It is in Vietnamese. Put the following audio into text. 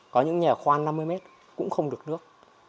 có những nhà khoan năm mươi mét cũng không được nước